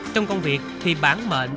trong công việc thì bản mệnh